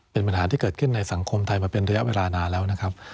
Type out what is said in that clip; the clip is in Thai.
เป็นปัญหาที่เกิดขึ้นในสังคมไทยมาเป็นระยะเวลานานแล้วนะครับ